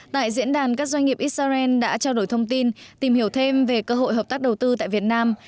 tại diễn đàn các doanh nghiệp israel đã trao đổi thông tin tìm hiểu thêm về cơ hội hợp tác đầu tư tại việt nam